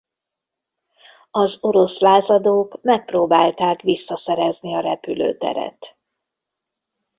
Az orosz lázadók megpróbálták visszaszerezni a repülőteret.